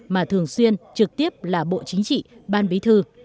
mà thường xuyên trực tiếp là bộ chính trị ban bí thư